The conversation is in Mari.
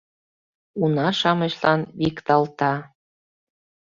Уна-шамычлан викталта.